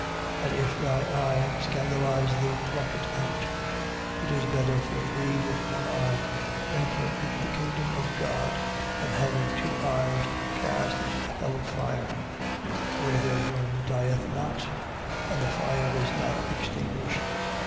9:46. And if thy eye scandalize thee, pluck it out: it is better for thee with one eye to enter into the kingdom of God than having two eyes to be cast into the hell of fire: 9:47. Where their worm dieth not, and the fire is not extinguished.